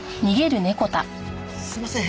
すいません